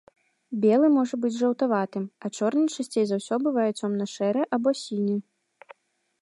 Белы можа быць жаўтаватым, а чорны часцей за ўсё бывае цёмна-шэры або сіні.